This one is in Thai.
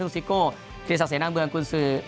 ซิกโก่คียสาธารณะเมืองกุศือ